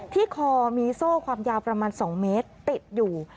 คอมีโซ่ความยาวประมาณ๒เมตรติดอยู่